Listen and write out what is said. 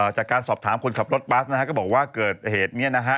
จากการสอบถามคนขับรถบัสนะฮะก็บอกว่าเกิดเหตุเนี่ยนะฮะ